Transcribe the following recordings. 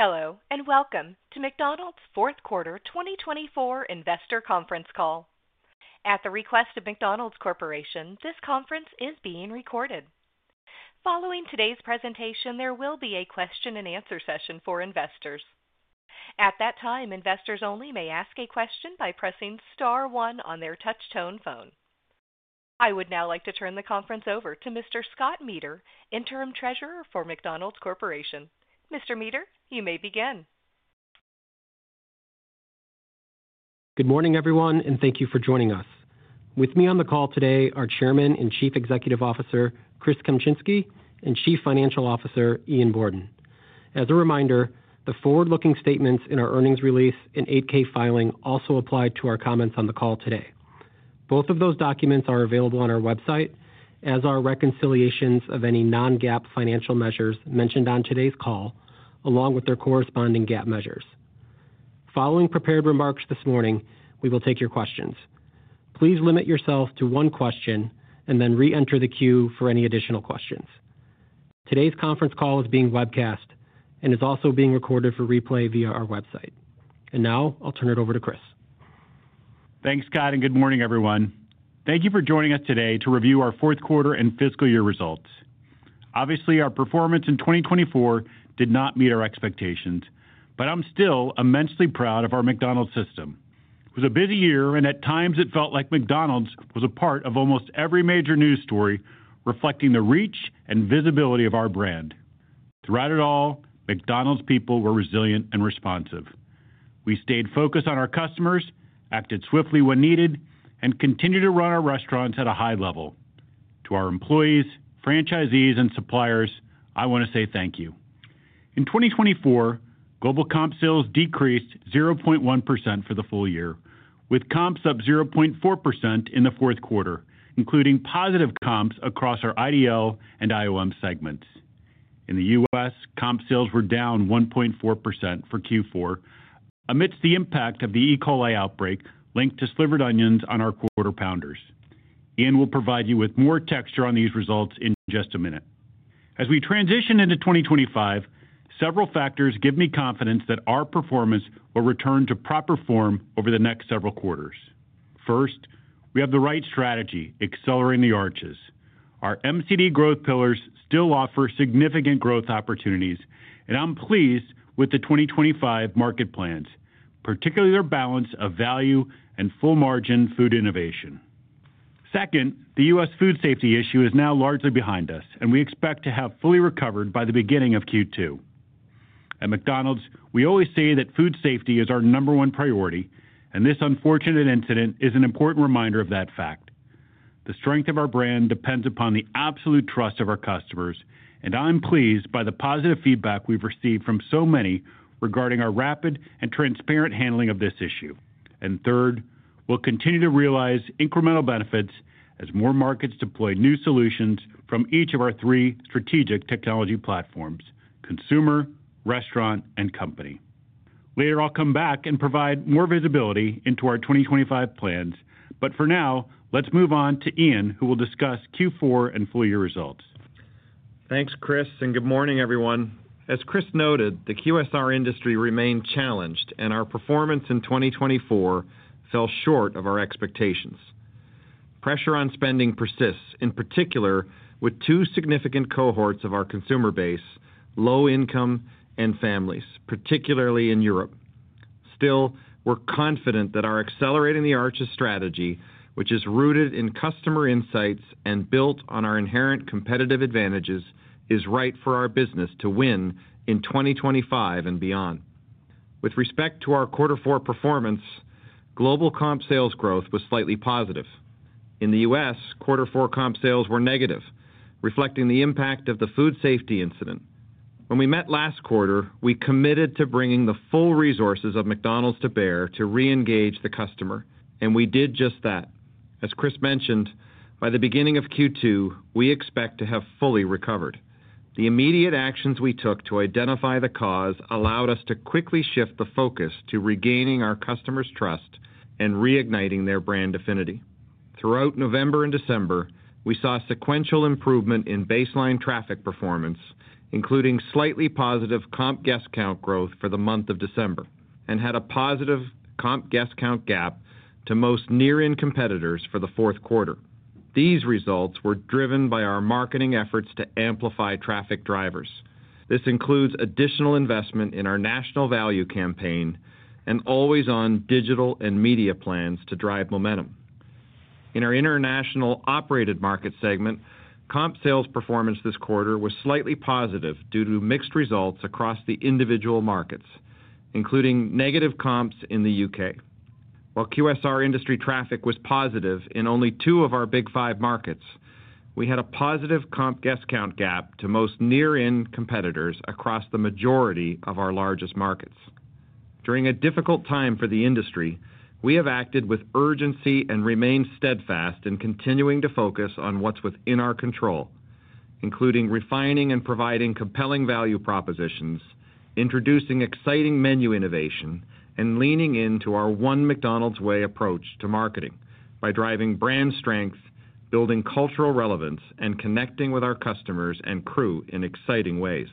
Hello, and welcome to McDonald's Fourth Quarter 2024 Investor Conference Call. At the request of McDonald's Corporation, this conference is being recorded. Following today's presentation, there will be a question-and-answer session for investors. At that time, investors only may ask a question by pressing Star 1 on their touch-tone phone. I would now like to turn the conference over to Mr. Scott Meader, Interim Treasurer for McDonald's Corporation. Mr. Meader, you may begin. Good morning, everyone, and thank you for joining us. With me on the call today are Chairman and Chief Executive Officer Chris Kempczinski and Chief Financial Officer Ian Borden. As a reminder, the forward-looking statements in our earnings release and 8-K filing also apply to our comments on the call today. Both of those documents are available on our website as are reconciliations of any non-GAAP financial measures mentioned on today's call, along with their corresponding GAAP measures. Following prepared remarks this morning, we will take your questions. Please limit yourself to one question and then re-enter the queue for any additional questions. Today's conference call is being webcast and is also being recorded for replay via our website. And now, I'll turn it over to Chris. Thanks, Scott, and good morning, everyone. Thank you for joining us today to review our fourth quarter and fiscal year results. Obviously, our performance in 2024 did not meet our expectations, but I'm still immensely proud of our McDonald's system. It was a busy year, and at times it felt like McDonald's was a part of almost every major news story reflecting the reach and visibility of our brand. Throughout it all, McDonald's people were resilient and responsive. We stayed focused on our customers, acted swiftly when needed, and continued to run our restaurants at a high level. To our employees, franchisees, and suppliers, I want to say thank you. In 2024, global comp sales decreased 0.1% for the full year, with comps up 0.4% in the fourth quarter, including positive comps across our IDL and IOM segments. In the U.S., comp sales were down 1.4% for Q4 amidst the impact of the E. coli outbreak linked to slivered onions on our Quarter Pounders. Ian will provide you with more texture on these results in just a minute. As we transition into 2025, several factors give me confidence that our performance will return to proper form over the next several quarters. First, we have the right strategy Accelerating the Arches. Our MCD Growth Pillars still offer significant growth opportunities, and I'm pleased with the 2025 market plans, particularly their balance of value and full-margin food innovation. Second, the U.S. food safety issue is now largely behind us, and we expect to have fully recovered by the beginning of Q2. At McDonald's, we always say that food safety is our number one priority, and this unfortunate incident is an important reminder of that fact. The strength of our brand depends upon the absolute trust of our customers, and I'm pleased by the positive feedback we've received from so many regarding our rapid and transparent handling of this issue, and third, we'll continue to realize incremental benefits as more markets deploy new solutions from each of our three strategic technology platforms: Consumer, Restaurant, and Company. Later, I'll come back and provide more visibility into our 2025 plans, but for now, let's move on to Ian, who will discuss Q4 and full-year results. Thanks, Chris, and good morning, everyone. As Chris noted, the QSR industry remained challenged, and our performance in 2024 fell short of our expectations. Pressure on spending persists, in particular with two significant cohorts of our consumer base: low income and families, particularly in Europe. Still, we're confident that our Accelerating the Arches strategy, which is rooted in customer insights and built on our inherent competitive advantages, is right for our business to win in 2025 and beyond. With respect to our quarter four performance, global comp sales growth was slightly positive. In the U.S., quarter four comp sales were negative, reflecting the impact of the food safety incident. When we met last quarter, we committed to bringing the full resources of McDonald's to bear to re-engage the customer, and we did just that. As Chris mentioned, by the beginning of Q2, we expect to have fully recovered. The immediate actions we took to identify the cause allowed us to quickly shift the focus to regaining our customers' trust and reigniting their brand affinity. Throughout November and December, we saw sequential improvement in baseline traffic performance, including slightly positive comp guest count growth for the month of December, and had a positive comp guest count gap to most near-in competitors for the fourth quarter. These results were driven by our marketing efforts to amplify traffic drivers. This includes additional investment in our national value campaign and always-on digital and media plans to drive momentum. In our international operated market segment, comp sales performance this quarter was slightly positive due to mixed results across the individual markets, including negative comps in the U.K. While QSR industry traffic was positive in only two of our big five markets, we had a positive comp guest count gap to most near-in competitors across the majority of our largest markets. During a difficult time for the industry, we have acted with urgency and remained steadfast in continuing to focus on what's within our control, including refining and providing compelling value propositions, introducing exciting menu innovation, and leaning into our One McDonald's Way approach to marketing by driving brand strength, building cultural relevance, and connecting with our customers and crew in exciting ways.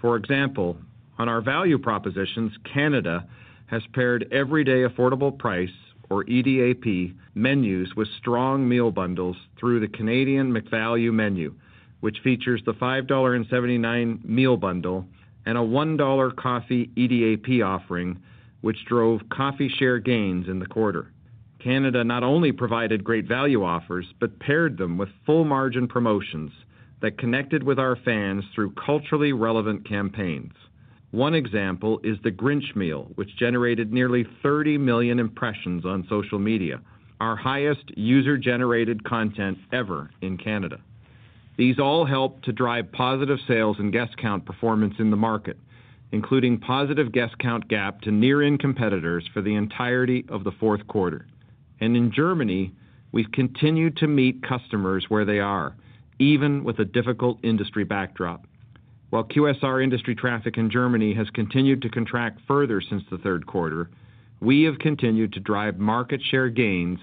For example, on our value propositions, Canada has paired Everyday Affordable Price, or EDAP, menus with strong meal bundles through the Canadian McValue Menu, which features the 5.79 dollar meal bundle and a 1 dollar coffee EDAP offering, which drove coffee share gains in the quarter. Canada not only provided great value offers but paired them with full-margin promotions that connected with our fans through culturally relevant campaigns. One example is the Grinch Meal, which generated nearly 30 million impressions on social media, our highest user-generated content ever in Canada. These all helped to drive positive sales and guest count performance in the market, including positive guest count gap to near-in competitors for the entirety of the fourth quarter. And in Germany, we've continued to meet customers where they are, even with a difficult industry backdrop. While QSR industry traffic in Germany has continued to contract further since the third quarter, we have continued to drive market share gains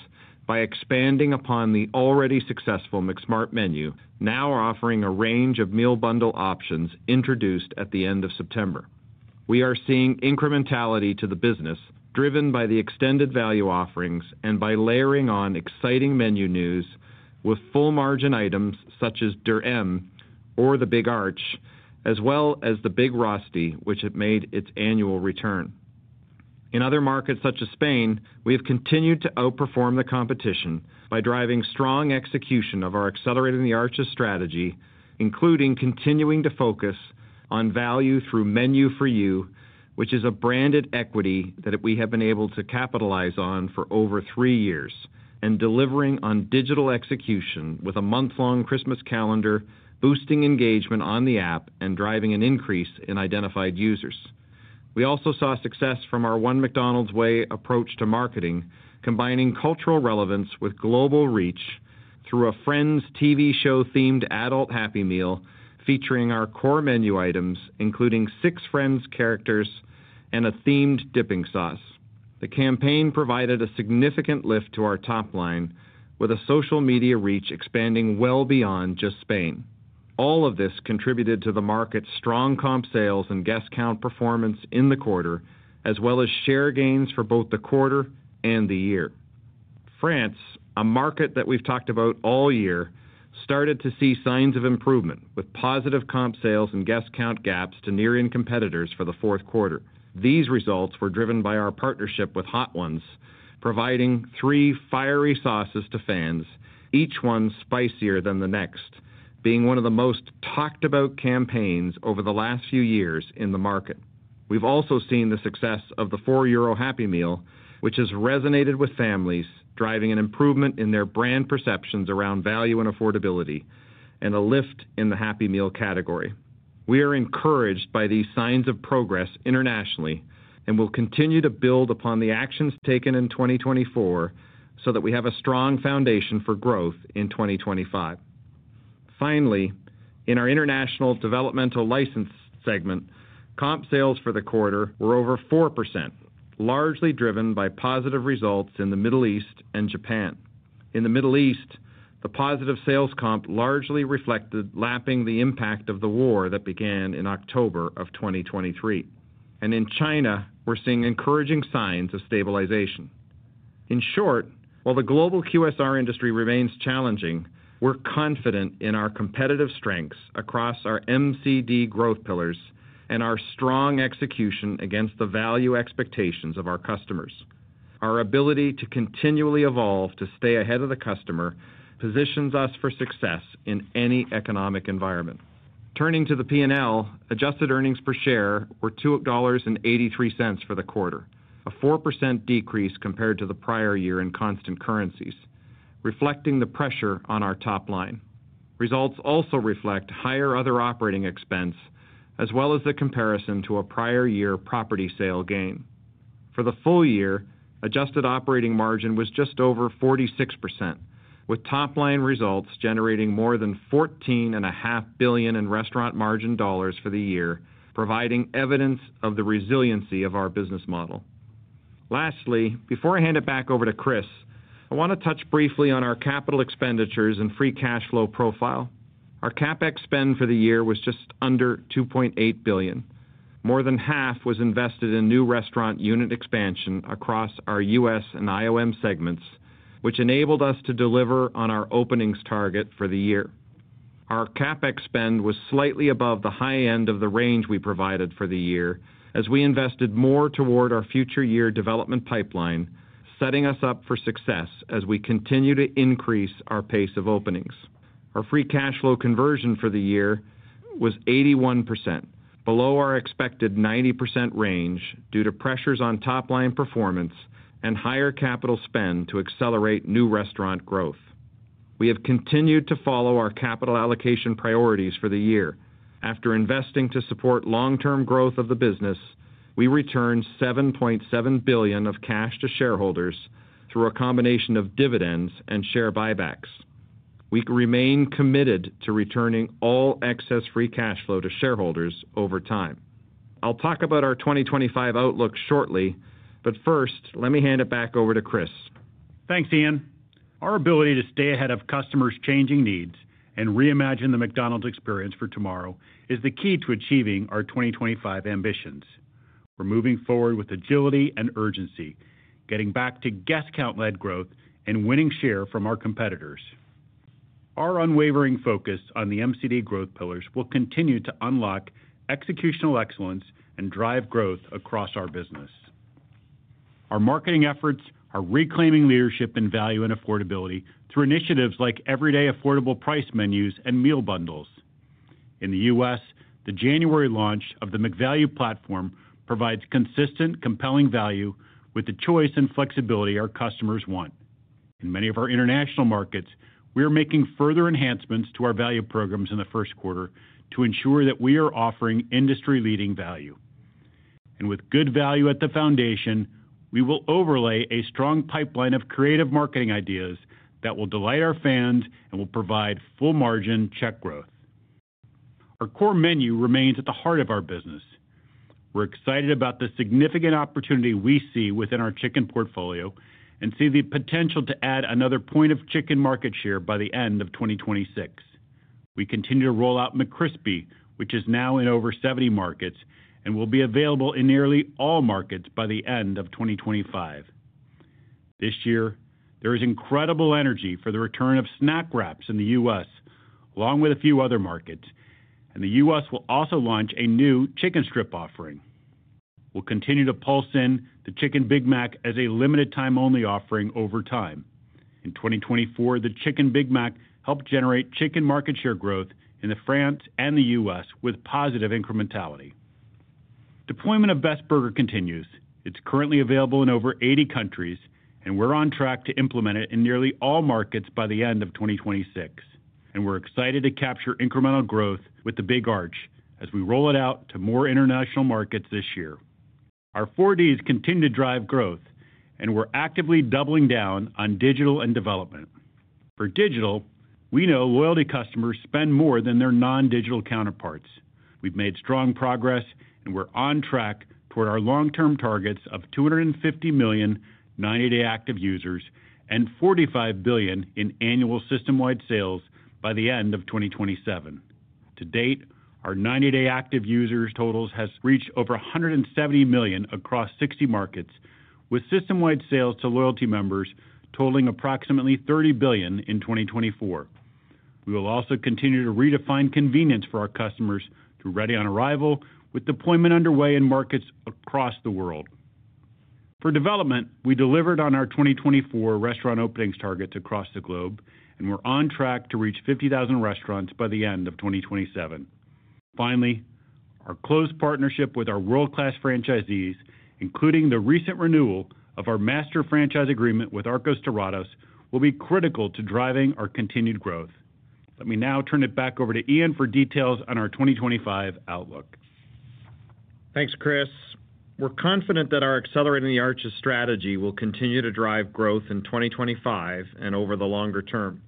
by expanding upon the already successful McSmart Menu, now offering a range of meal bundle options introduced at the end of September. We are seeing incrementality to the business driven by the extended value offerings and by layering on exciting menu news with full-margin items such as The M or the Big Arch, as well as the Big Rösti, which have made its annual return. In other markets such as Spain, we have continued to outperform the competition by driving strong execution of our Accelerating the Arches strategy, including continuing to focus on value through Menu for You, which is a branded equity that we have been able to capitalize on for over three years, and delivering on digital execution with a month-long Christmas calendar, boosting engagement on the app and driving an increase in identified users. We also saw success from our one McDonald's way approach to marketing, combining cultural relevance with global reach through a Friends TV show-themed Adult Happy Meal featuring our core menu items, including six Friends characters and a themed dipping sauce. The campaign provided a significant lift to our top line, with a social media reach expanding well beyond just Spain. All of this contributed to the market's strong comp sales and guest count performance in the quarter, as well as share gains for both the quarter and the year. France, a market that we've talked about all year, started to see signs of improvement with positive comp sales and guest count gaps to nearest competitors for the fourth quarter. These results were driven by our partnership with Hot Ones, providing three fiery sauces to fans, each one spicier than the next, being one of the most talked-about campaigns over the last few years in the market. We've also seen the success of the 4 euro Happy Meal, which has resonated with families, driving an improvement in their brand perceptions around value and affordability, and a lift in the Happy Meal category. We are encouraged by these signs of progress internationally and will continue to build upon the actions taken in 2024 so that we have a strong foundation for growth in 2025. Finally, in our International Developmental Licensed segment, comp sales for the quarter were over 4%, largely driven by positive results in the Middle East and Japan. In the Middle East, the positive sales comp largely reflected lapping the impact of the war that began in October of 2023. And in China, we're seeing encouraging signs of stabilization. In short, while the global QSR industry remains challenging, we're confident in our competitive strengths across our MCD Growth Pillars and our strong execution against the value expectations of our customers. Our ability to continually evolve to stay ahead of the customer positions us for success in any economic environment. Turning to the P&L, adjusted earnings per share were $2.83 for the quarter, a 4% decrease compared to the prior year in constant currencies, reflecting the pressure on our top line. Results also reflect higher other operating expense, as well as the comparison to a prior year property sale gain. For the full year, adjusted operating margin was just over 46%, with top line results generating more than $14.5 billion in restaurant margin dollars for the year, providing evidence of the resiliency of our business model. Lastly, before I hand it back over to Chris, I want to touch briefly on our capital expenditures and free cash flow profile. Our CapEx spend for the year was just under $2.8 billion. More than half was invested in new restaurant unit expansion across our U.S. and IOM segments, which enabled us to deliver on our openings target for the year. Our CapEx spend was slightly above the high end of the range we provided for the year, as we invested more toward our future year development pipeline, setting us up for success as we continue to increase our pace of openings. Our free cash flow conversion for the year was 81%, below our expected 90% range due to pressures on top line performance and higher capital spend to accelerate new restaurant growth. We have continued to follow our capital allocation priorities for the year. After investing to support long-term growth of the business, we returned $7.7 billion of cash to shareholders through a combination of dividends and share buybacks. We remain committed to returning all excess free cash flow to shareholders over time. I'll talk about our 2025 outlook shortly, but first, let me hand it back over to Chris. Thanks, Ian. Our ability to stay ahead of customers' changing needs and reimagine the McDonald's experience for tomorrow is the key to achieving our 2025 ambitions. We're moving forward with agility and urgency, getting back to guest count-led growth and winning share from our competitors. Our unwavering focus on the MCD growth pillars will continue to unlock executional excellence and drive growth across our business. Our marketing efforts are reclaiming leadership in value and affordability through initiatives like everyday affordable price menus and meal bundles. In the U.S., the January launch of the McValue platform provides consistent, compelling value with the choice and flexibility our customers want. In many of our international markets, we are making further enhancements to our value programs in the first quarter to ensure that we are offering industry-leading value. With good value at the foundation, we will overlay a strong pipeline of creative marketing ideas that will delight our fans and will provide full-margin check growth. Our core menu remains at the heart of our business. We're excited about the significant opportunity we see within our chicken portfolio and see the potential to add another point of chicken market share by the end of 2026. We continue to roll out McCrispy, which is now in over 70 markets and will be available in nearly all markets by the end of 2025. This year, there is incredible energy for the return of Snack Wraps in the U.S., along with a few other markets, and the U.S. will also launch a new chicken strip offering. We'll continue to pulse in the Chicken Big Mac as a limited-time-only offering over time. In 2024, the Chicken Big Mac helped generate chicken market share growth in France and the U.S. with positive incrementality. Deployment of Best Burger continues. It's currently available in over 80 countries, and we're on track to implement it in nearly all markets by the end of 2026. We're excited to capture incremental growth with the Big Arch as we roll it out to more international markets this year. Our 4Ds continue to drive growth, and we're actively doubling down on digital and development. For digital, we know loyalty customers spend more than their non-digital counterparts. We've made strong progress, and we're on track toward our long-term targets of 250 million 90-day active users and 45 billion in annual system-wide sales by the end of 2027. To date, our 90-day active users totals have reached over 170 million across 60 markets, with system-wide sales to loyalty members totaling approximately 30 billion in 2024. We will also continue to redefine convenience for our customers through Ready on Arrival, with deployment underway in markets across the world. For development, we delivered on our 2024 restaurant openings targets across the globe, and we're on track to reach 50,000 restaurants by the end of 2027. Finally, our close partnership with our world-class franchisees, including the recent renewal of our master franchise agreement with Arcos Dorados, will be critical to driving our continued growth. Let me now turn it back over to Ian for details on our 2025 outlook. Thanks, Chris. We're confident that our accelerating the arches strategy will continue to drive growth in 2025 and over the longer term.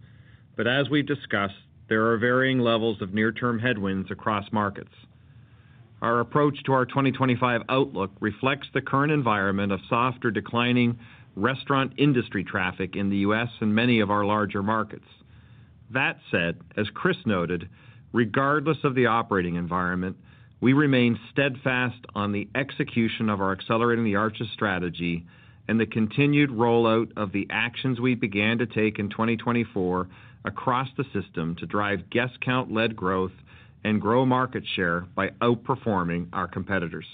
But as we've discussed, there are varying levels of near-term headwinds across markets. Our approach to our 2025 outlook reflects the current environment of softer declining restaurant industry traffic in the U.S. and many of our larger markets. That said, as Chris noted, regardless of the operating environment, we remain steadfast on the execution of our accelerating the arches strategy and the continued rollout of the actions we began to take in 2024 across the system to drive guest count-led growth and grow market share by outperforming our competitors.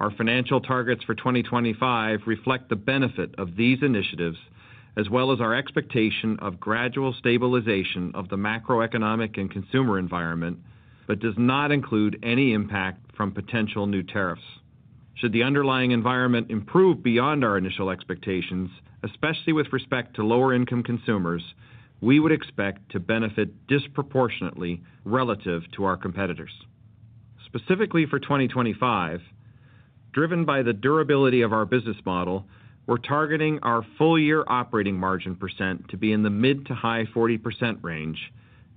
Our financial targets for 2025 reflect the benefit of these initiatives, as well as our expectation of gradual stabilization of the macroeconomic and consumer environment, but does not include any impact from potential new tariffs. Should the underlying environment improve beyond our initial expectations, especially with respect to lower-income consumers, we would expect to benefit disproportionately relative to our competitors. Specifically for 2025, driven by the durability of our business model, we're targeting our full-year operating margin % to be in the mid- to high-40% range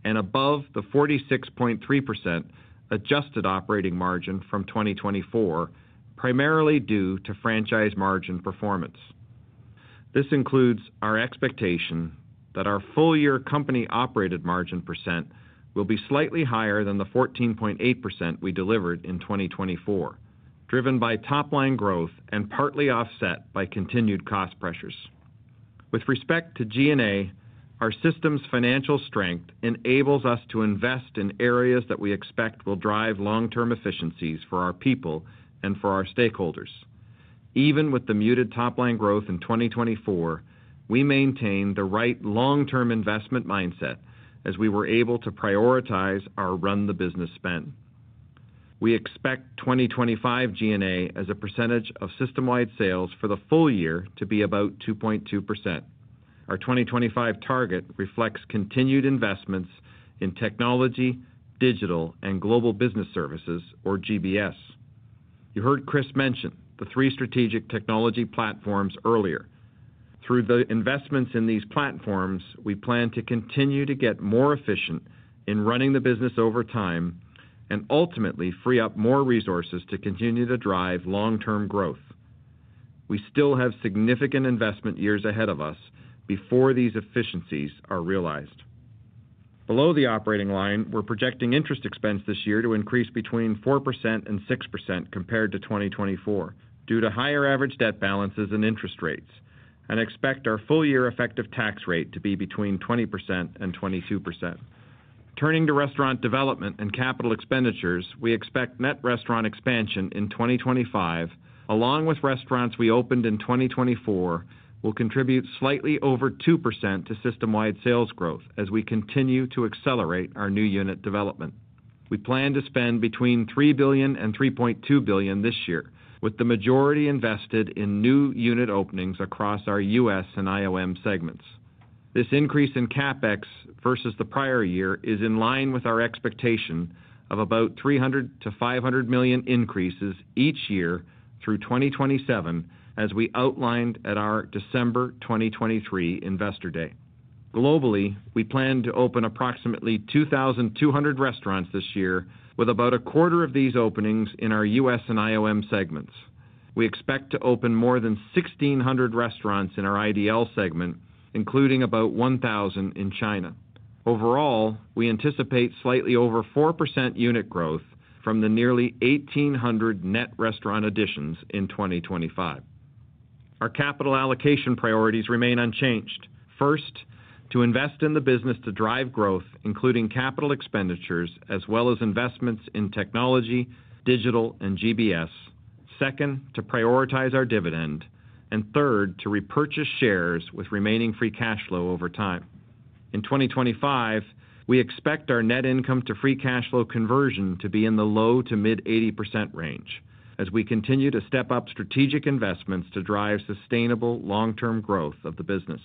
and above the 46.3% adjusted operating margin from 2024, primarily due to franchise margin performance. This includes our expectation that our full-year company operated margin % will be slightly higher than the 14.8% we delivered in 2024, driven by top line growth and partly offset by continued cost pressures. With respect to G&A, our system's financial strength enables us to invest in areas that we expect will drive long-term efficiencies for our people and for our stakeholders. Even with the muted top line growth in 2024, we maintain the right long-term investment mindset as we were able to prioritize our run-the-business spend. We expect 2025 G&A as a percentage of system-wide sales for the full year to be about 2.2%. Our 2025 target reflects continued investments in technology, digital, and Global Business Services, or GBS. You heard Chris mention the three strategic technology platforms earlier. Through the investments in these platforms, we plan to continue to get more efficient in running the business over time and ultimately free up more resources to continue to drive long-term growth. We still have significant investment years ahead of us before these efficiencies are realized. Below the operating line, we're projecting interest expense this year to increase between 4% and 6% compared to 2024 due to higher average debt balances and interest rates, and expect our full-year effective tax rate to be between 20% and 22%. Turning to restaurant development and capital expenditures, we expect net restaurant expansion in 2025, along with restaurants we opened in 2024, will contribute slightly over 2% to system-wide sales growth as we continue to accelerate our new unit development. We plan to spend between $3 billion and $3.2 billion this year, with the majority invested in new unit openings across our U.S. and IOM segments. This increase in CapEx versus the prior year is in line with our expectation of about $300 to $500 million increases each year through 2027, as we outlined at our December 2023 Investor Day. Globally, we plan to open approximately 2,200 restaurants this year, with about a quarter of these openings in our U.S. and IOM segments. We expect to open more than 1,600 restaurants in our IDL segment, including about 1,000 in China. Overall, we anticipate slightly over 4% unit growth from the nearly 1,800 net restaurant additions in 2025. Our capital allocation priorities remain unchanged. First, to invest in the business to drive growth, including capital expenditures, as well as investments in technology, digital, and GBS. Second, to prioritize our dividend. And third, to repurchase shares with remaining free cash flow over time. In 2025, we expect our net income to free cash flow conversion to be in the low to mid-80% range as we continue to step up strategic investments to drive sustainable long-term growth of the business.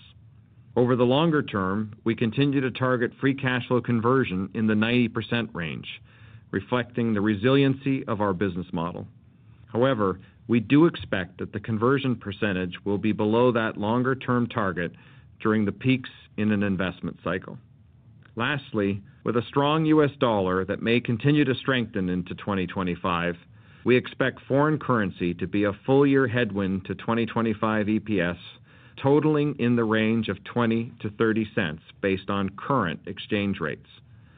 Over the longer term, we continue to target free cash flow conversion in the 90% range, reflecting the resiliency of our business model. However, we do expect that the conversion percentage will be below that longer-term target during the peaks in an investment cycle. Lastly, with a strong U.S. dollar that may continue to strengthen into 2025, we expect foreign currency to be a full-year headwind to 2025 EPS, totaling in the range of $0.20-$0.30 based on current exchange rates.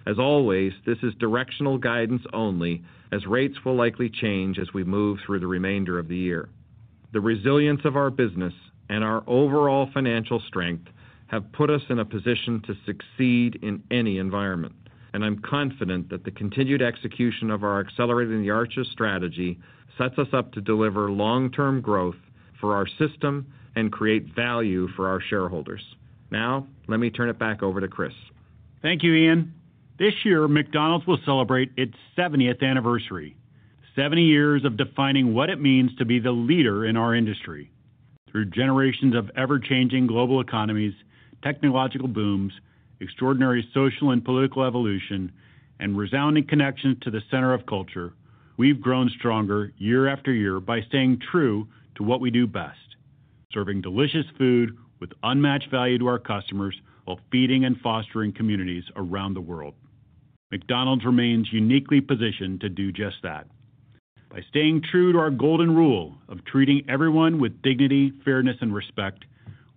As always, this is directional guidance only, as rates will likely change as we move through the remainder of the year. The resilience of our business and our overall financial strength have put us in a position to succeed in any environment, and I'm confident that the continued execution of our Accelerating the Arches strategy sets us up to deliver long-term growth for our system and create value for our shareholders. Now, let me turn it back over to Chris. Thank you, Ian. This year, McDonald's will celebrate its 70th anniversary, 70 years of defining what it means to be the leader in our industry. Through generations of ever-changing global economies, technological booms, extraordinary social and political evolution, and resounding connections to the center of culture, we've grown stronger year after year by staying true to what we do best: serving delicious food with unmatched value to our customers while feeding and fostering communities around the world. McDonald's remains uniquely positioned to do just that. By staying true to our Golden Rule of treating everyone with dignity, fairness, and respect,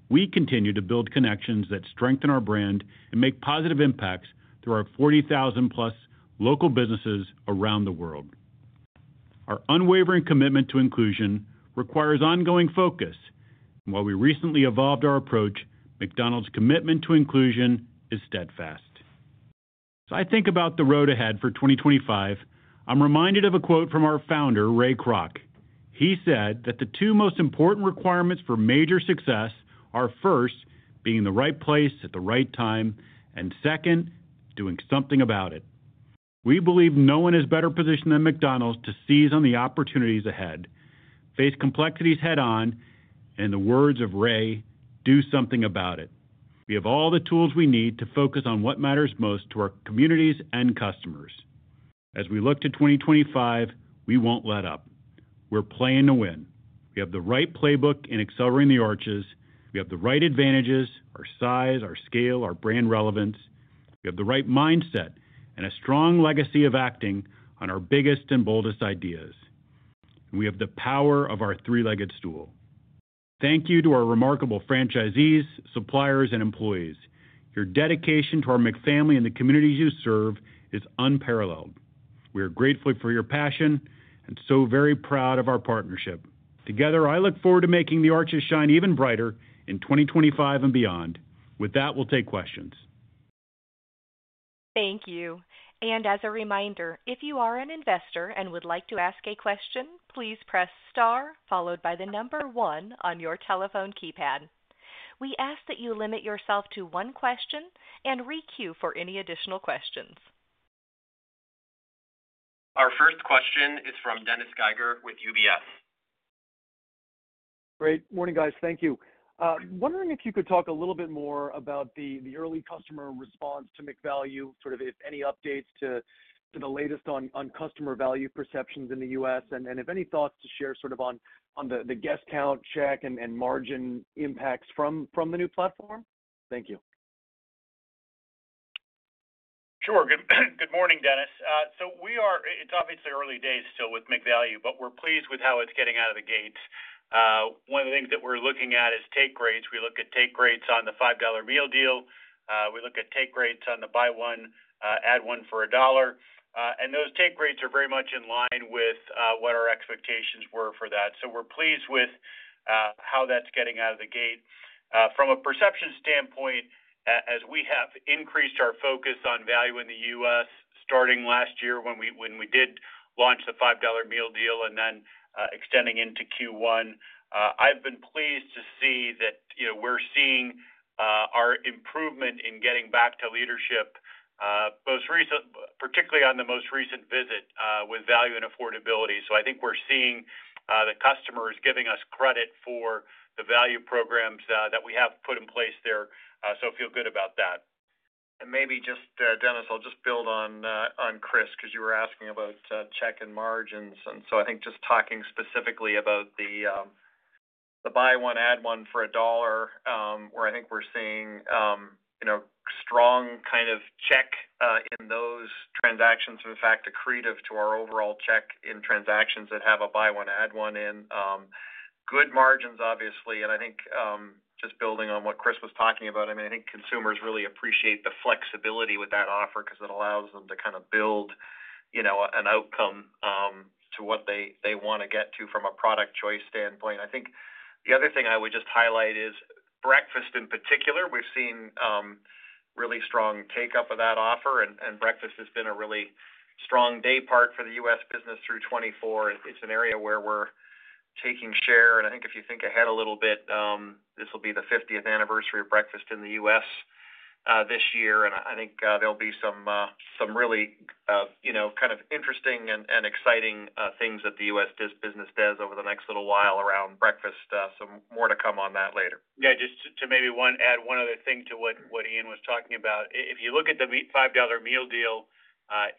we continue to build connections that strengthen our brand and make positive impacts through our 40,000-plus local businesses around the world. Our unwavering commitment to inclusion requires ongoing focus, and while we recently evolved our approach, McDonald's commitment to inclusion is steadfast. As I think about the road ahead for 2025, I'm reminded of a quote from our founder, Ray Kroc. He said that the two most important requirements for major success are, first, being in the right place at the right time, and second, doing something about it. We believe no one is better positioned than McDonald's to seize on the opportunities ahead, face complexities head-on, and, in the words of Ray, do something about it. We have all the tools we need to focus on what matters most to our communities and customers. As we look to 2025, we won't let up. We're playing to win. We have the right playbook in Accelerating the Arches. We have the right advantages: our size, our scale, our brand relevance. We have the right mindset and a strong legacy of acting on our biggest and boldest ideas. We have the power of our Three-Legged Stool. Thank you to our remarkable franchisees, suppliers, and employees. Your dedication to our McFamily and the communities you serve is unparalleled. We are grateful for your passion and so very proud of our partnership. Together, I look forward to making the arches shine even brighter in 2025 and beyond. With that, we'll take questions. Thank you. And as a reminder, if you are an investor and would like to ask a question, please press star, followed by the number one on your telephone keypad. We ask that you limit yourself to one question and re-queue for any additional questions. Our first question is from Dennis Geiger with UBS. Good morning, guys. Thank you. Wondering if you could talk a little bit more about the early customer response to McValue, sort of if any updates to the latest on customer value perceptions in the U.S., and if any thoughts to share sort of on the guest count check and margin impacts from the new platform. Thank you. Sure. Good morning, Dennis, so we are, it's obviously early days still with McValue, but we're pleased with how it's getting out of the gate. One of the things that we're looking at is take rates. We look at take rates on the $5 meal deal. We look at take rates on the buy one, add one for a dollar. And those take rates are very much in line with what our expectations were for that. So we're pleased with how that's getting out of the gate. From a perception standpoint, as we have increased our focus on value in the U.S. starting last year when we did launch the $5 meal deal and then extending into Q1, I've been pleased to see that we're seeing our improvement in getting back to leadership, particularly on the most recent visit with value and affordability. So I think we're seeing the customers giving us credit for the value programs that we have put in place there. So I feel good about that. And maybe just, Dennis, I'll just build on Chris because you were asking about check and margins. And so I think just talking specifically about the buy one, add one for a dollar, where I think we're seeing strong kind of check in those transactions, in fact, accretive to our overall check in transactions that have a buy one, add one in. Good margins, obviously. And I think just building on what Chris was talking about, I mean, I think consumers really appreciate the flexibility with that offer because it allows them to kind of build an outcome to what they want to get to from a product choice standpoint. I think the other thing I would just highlight is breakfast in particular. We've seen really strong take-up of that offer, and breakfast has been a really strong day part for the U.S. business through 2024. It's an area where we're taking share. And I think if you think ahead a little bit, this will be the 50th anniversary of breakfast in the U.S. this year. And I think there'll be some really kind of interesting and exciting things that the U.S. business does over the next little while around breakfast. So more to come on that later. Yeah. Just to maybe add one other thing to what Ian was talking about. If you look at the $5 meal deal,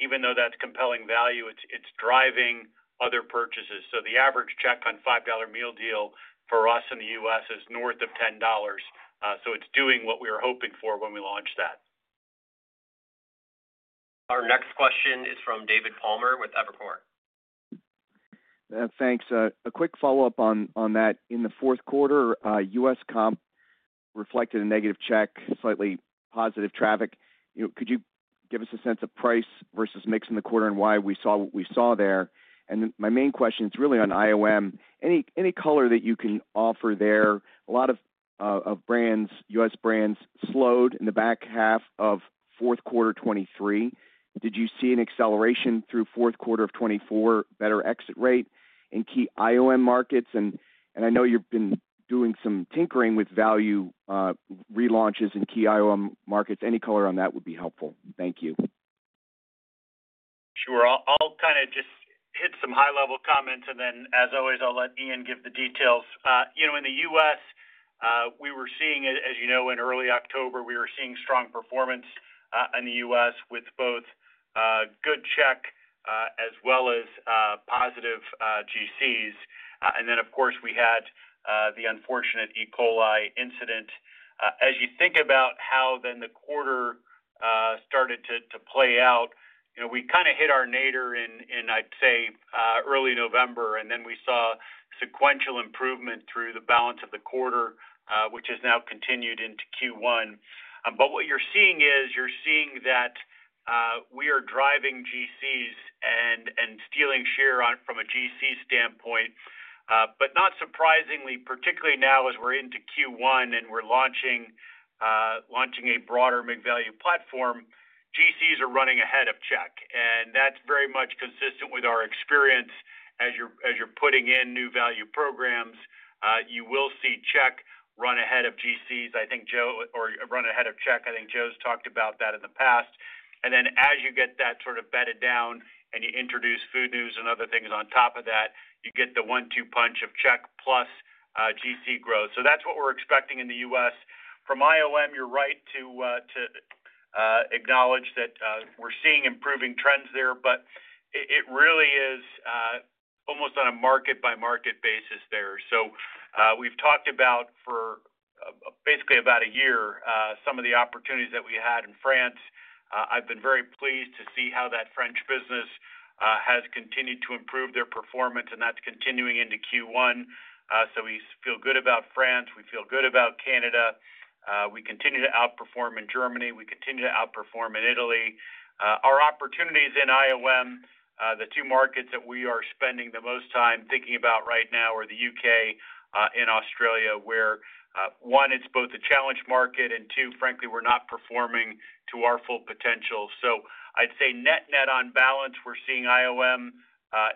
even though that's compelling value, it's driving other purchases. So the average check on $5 meal deal for us in the U.S. is north of $10. So it's doing what we were hoping for when we launched that. Our next question is from David Palmer with Evercore. Thanks. A quick follow-up on that. In the fourth quarter, U.S. comp reflected a negative check, slightly positive traffic. Could you give us a sense of price versus mix in the quarter and why we saw what we saw there? And my main question is really on IOM. Any color that you can offer there? A lot of brands, U.S. brands, slowed in the back half of fourth quarter 2023. Did you see an acceleration through fourth quarter of 2024, better exit rate in key IOM markets? And I know you've been doing some tinkering with value relaunches in key IOM markets. Any color on that would be helpful. Thank you. Sure. I'll kind of just hit some high-level comments, and then, as always, I'll let Ian give the details. In the U.S., we were seeing, as you know, in early October, we were seeing strong performance in the U.S. with both good check as well as positive GCs. And then, of course, we had the unfortunate E. coli incident. As you think about how then the quarter started to play out, we kind of hit our nadir in, I'd say, early November, and then we saw sequential improvement through the balance of the quarter, which has now continued into Q1. But what you're seeing is you're seeing that we are driving GCs and stealing share from a GC standpoint. But not surprisingly, particularly now as we're into Q1 and we're launching a broader McValue platform, GCs are running ahead of check. And that's very much consistent with our experience as you're putting in new value programs. You will see check run ahead of GCs. I think Joe or run ahead of check. I think Joe's talked about that in the past. And then as you get that sort of bedded down and you introduce food news and other things on top of that, you get the one-two punch of check plus GC growth. So that's what we're expecting in the U.S. From IOM, you're right to acknowledge that we're seeing improving trends there, but it really is almost on a market-by-market basis there. So we've talked about for basically about a year some of the opportunities that we had in France. I've been very pleased to see how that French business has continued to improve their performance, and that's continuing into Q1. So we feel good about France. We feel good about Canada. We continue to outperform in Germany. We continue to outperform in Italy. Our opportunities in IOM, the two markets that we are spending the most time thinking about right now are the U.K. and Australia, where one, it's both a challenge market and two, frankly, we're not performing to our full potential. So I'd say net-net on balance, we're seeing IOM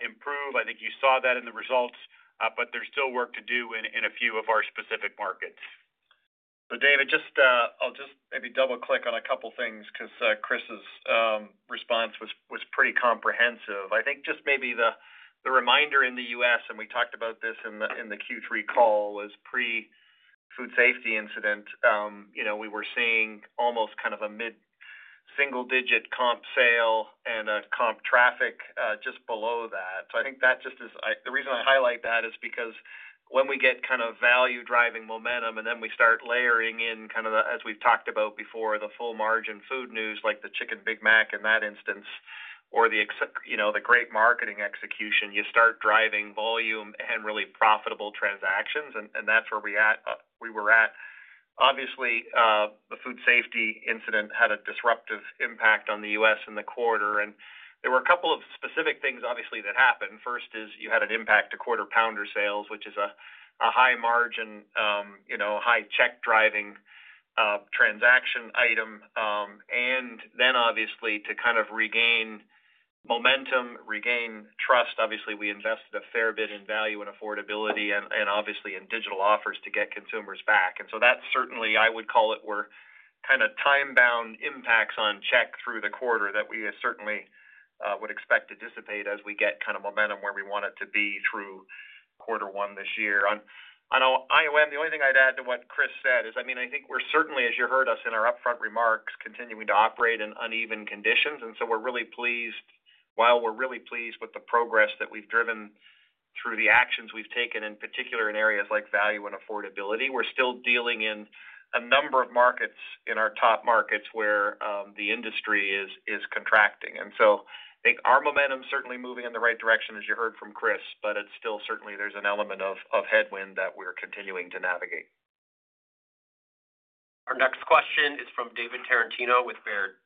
improve. I think you saw that in the results, but there's still work to do in a few of our specific markets. So David, I'll just maybe double-click on a couple of things because Chris's response was pretty comprehensive. I think just maybe the reminder in the U.S., and we talked about this in the Q3 call, was pre-food safety incident. We were seeing almost kind of a mid-single-digit comp sales and comp traffic just below that. So I think that just is the reason I highlight that is because when we get kind of value-driving momentum and then we start layering in kind of, as we've talked about before, the full margin food news like the Chicken Big Mac in that instance or the great marketing execution, you start driving volume and really profitable transactions. And that's where we were at. Obviously, the food safety incident had a disruptive impact on the U.S. in the quarter. And there were a couple of specific things, obviously, that happened. First is you had an impact to Quarter Pounder sales, which is a high-margin, high-check-driving transaction item. And then, obviously, to kind of regain momentum, regain trust, obviously, we invested a fair bit in value and affordability and obviously in digital offers to get consumers back. And so that's certainly, I would call it, were kind of time-bound impacts on check through the quarter that we certainly would expect to dissipate as we get kind of momentum where we want it to be through quarter one this year. On IOM, the only thing I'd add to what Chris said is, I mean, I think we're certainly, as you heard us in our upfront remarks, continuing to operate in uneven conditions. And so we're really pleased. While we're really pleased with the progress that we've driven through the actions we've taken, in particular in areas like value and affordability, we're still dealing in a number of markets in our top markets where the industry is contracting, and so I think our momentum is certainly moving in the right direction, as you heard from Chris, but it's still, certainly, there's an element of headwind that we're continuing to navigate. Our next question is from David Tarantino with Baird.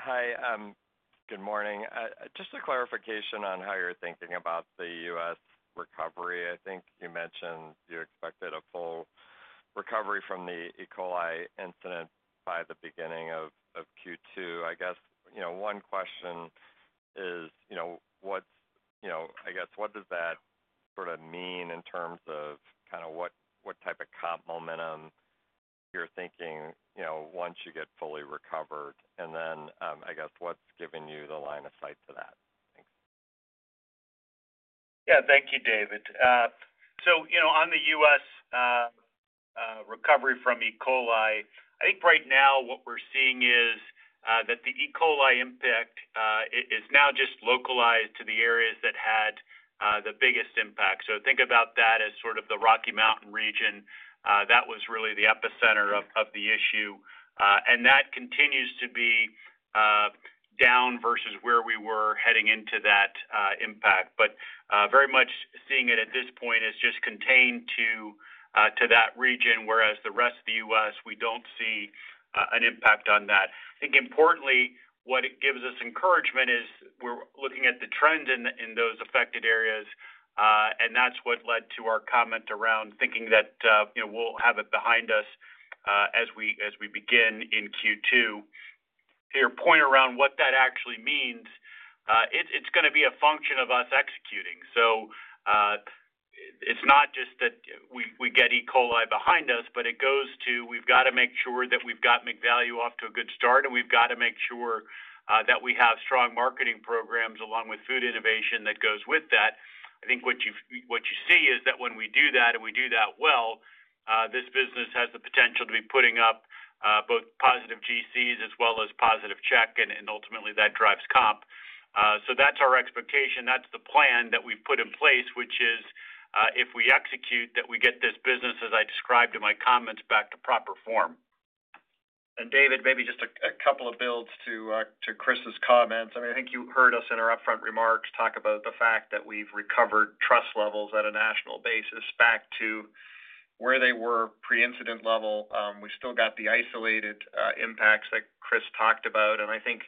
Hi. Good morning. Just a clarification on how you're thinking about the U.S. recovery. I think you mentioned you expected a full recovery from the E. coli incident by the beginning of Q2. I guess one question is, I guess, what does that sort of mean in terms of kind of what type of comp momentum you're thinking once you get fully recovered? And then, I guess, what's giving you the line of sight to that? Thanks. Yeah. Thank you, David. So on the U.S. recovery from E. coli, I think right now what we're seeing is that the E. coli impact is now just localized to the areas that had the biggest impact. So think about that as sort of the Rocky Mountain region. That was really the epicenter of the issue. And that continues to be down versus where we were heading into that impact. But very much seeing it at this point as just contained to that region, whereas the rest of the U.S., we don't see an impact on that. I think importantly, what it gives us encouragement is we're looking at the trend in those affected areas. And that's what led to our comment around thinking that we'll have it behind us as we begin in Q2. To your point around what that actually means, it's going to be a function of us executing. So it's not just that we get E. coli behind us, but it goes to we've got to make sure that we've got McValue off to a good start, and we've got to make sure that we have strong marketing programs along with food innovation that goes with that. I think what you see is that when we do that, and we do that well, this business has the potential to be putting up both positive GCs as well as positive check, and ultimately, that drives comp. So that's our expectation. That's the plan that we've put in place, which is if we execute, that we get this business, as I described in my comments, back to proper form. And David, maybe just a couple of builds to Chris's comments. I mean, I think you heard us in our upfront remarks talk about the fact that we've recovered trust levels at a national basis back to where they were pre-incident level. We still got the isolated impacts that Chris talked about. And I think,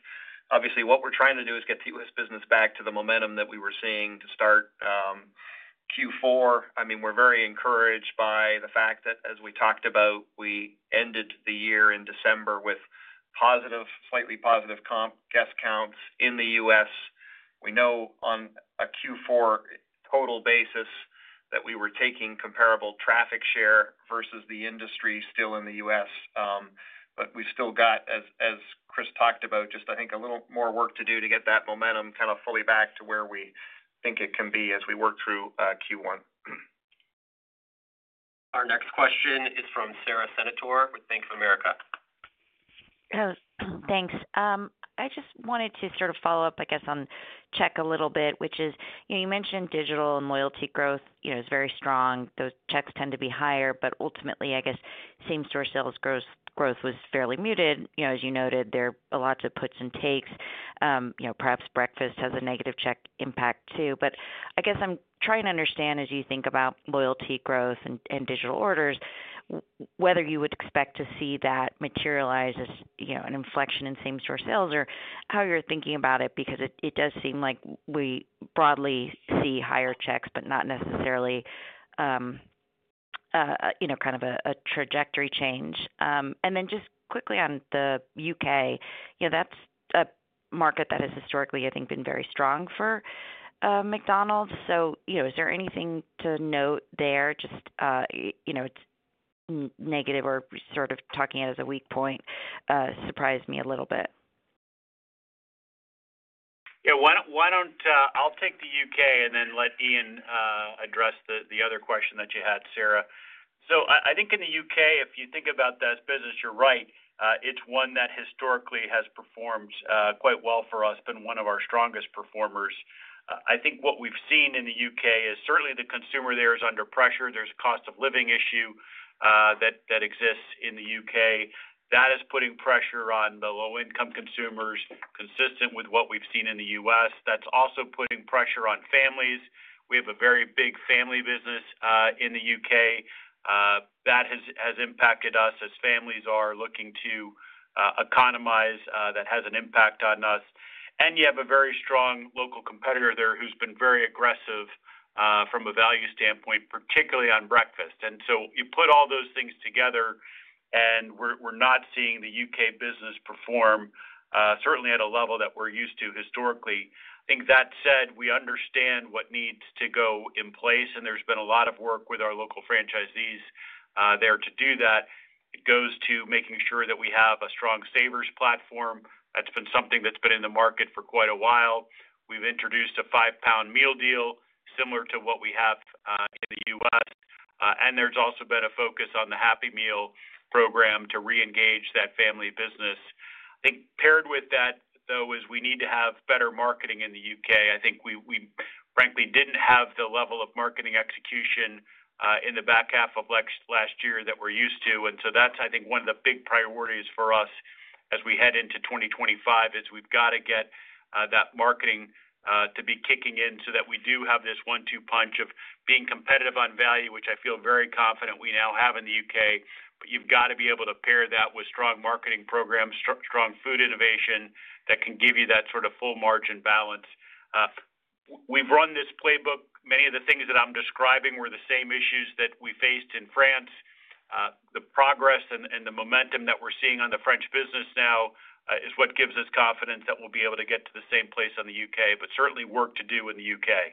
obviously, what we're trying to do is get the U.S. business back to the momentum that we were seeing to start Q4. I mean, we're very encouraged by the fact that, as we talked about, we ended the year in December with slightly positive comp guest counts in the U.S. We know on a Q4 total basis that we were taking comparable traffic share versus the industry still in the U.S. But we've still got, as Chris talked about, just, I think, a little more work to do to get that momentum kind of fully back to where we think it can be as we work through Q1. Our next question is from Sara Senatore with Bank of America. Thanks. I just wanted to sort of follow up, I guess, on check a little bit, which is you mentioned digital and loyalty growth is very strong. Those checks tend to be higher. But ultimately, I guess, same-store sales growth was fairly muted. As you noted, there are lots of puts and takes. Perhaps breakfast has a negative check impact too. But I guess I'm trying to understand, as you think about loyalty growth and digital orders, whether you would expect to see that materialize as an inflection in same-store sales or how you're thinking about it, because it does seem like we broadly see higher checks, but not necessarily kind of a trajectory change. And then just quickly on the U.K., that's a market that has historically, I think, been very strong for McDonald's. So is there anything to note there? Just negative or sort of talking it as a weak point surprised me a little bit. Yeah. I'll take the U.K. and then let Ian address the other question that you had, Sarah. So I think in the U.K., if you think about that business, you're right, it's one that historically has performed quite well for us, been one of our strongest performers. I think what we've seen in the U.K. is certainly the consumer there is under pressure. There's a cost of living issue that exists in the U.K. That is putting pressure on the low-income consumers, consistent with what we've seen in the U.S. That's also putting pressure on families. We have a very big family business in the U.K. That has impacted us as families are looking to economize. That has an impact on us, and you have a very strong local competitor there who's been very aggressive from a value standpoint, particularly on breakfast. And so you put all those things together, and we're not seeing the U.K. business perform certainly at a level that we're used to historically. I think that said, we understand what needs to go in place, and there's been a lot of work with our local franchisees there to do that. It goes to making sure that we have a strong Savers platform. That's been something that's been in the market for quite a while. We've introduced a GBP 5 meal deal similar to what we have in the U.S. And there's also been a focus on the Happy Meal program to reengage that family business. I think paired with that, though, is we need to have better marketing in the U.K. I think we, frankly, didn't have the level of marketing execution in the back half of last year that we're used to. And so that's, I think, one of the big priorities for us as we head into 2025, is we've got to get that marketing to be kicking in so that we do have this one-two punch of being competitive on value, which I feel very confident we now have in the UK. But you've got to be able to pair that with strong marketing programs, strong food innovation that can give you that sort of full margin balance. We've run this playbook. Many of the things that I'm describing were the same issues that we faced in France. The progress and the momentum that we're seeing on the French business now is what gives us confidence that we'll be able to get to the same place in the UK, but certainly work to do in the UK.